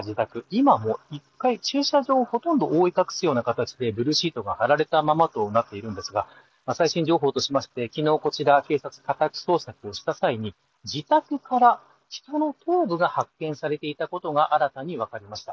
今も、１階、駐車場ほとんど覆い隠すような形でブルーシートが張られたままとなっているんですが最新情報として昨日こちら警察が家宅捜索した際に自宅から人の頭部が発見されていたことが新たに分かりました。